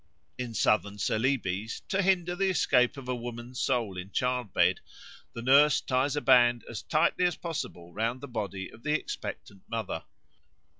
In Southern Celebes, to hinder the escape of a woman's soul in childbed, the nurse ties a band as tightly as possible round the body of the expectant mother.